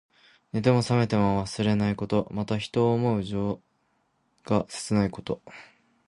寝ても冷めても忘れないこと。また、人を思う情が切ないこと。